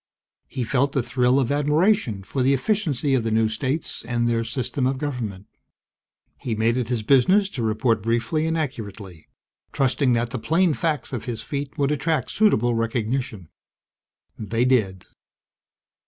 He felt a thrill of admiration for the efficiency of the new states and their system of government. He made it his business to report briefly and accurately, trusting that the plain facts of his feat would attract suitable recognition. They did.